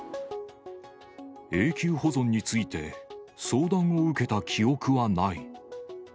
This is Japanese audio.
永久保存について、相談を受けた記憶はない。